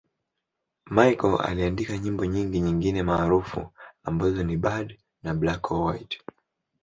Michael aliandika nyimbo nyingine maarufu ambazo ni 'Bad' na 'Black or White'.